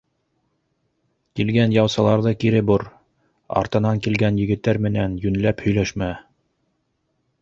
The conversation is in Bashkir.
Килгән яусыларҙы кире бор, артынан килгән егеттәр менән йүнләп һөйләшмә...